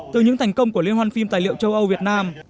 từ những thành công của liên hoan phim tài liệu châu âu việt nam